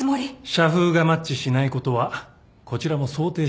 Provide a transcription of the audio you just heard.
社風がマッチしないことはこちらも想定しております。